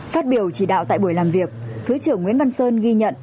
phát biểu chỉ đạo tại buổi làm việc thứ trưởng nguyễn văn sơn ghi nhận